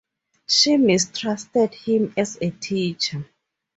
She mistrusted him as teacher.